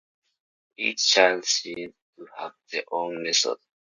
Each child seems to have their own method.